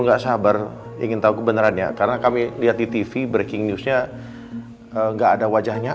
nggak sabar ingin tahu kebenerannya karena kami lihat di tv breaking newsnya nggak ada wajahnya